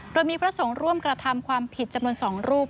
โดยมีพระสงฆ์ร่วมกระทำความผิดจำนวน๒รูป